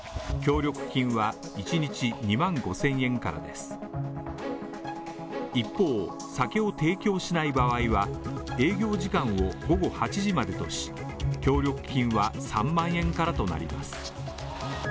協力金は１日２万５０００円からです一方、酒を提供しない場合は営業時間を午後８時までとし、協力金は３万円からとなります。